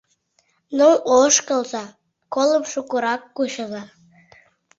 — Ну, ошкылза, колым шукырак кучыза!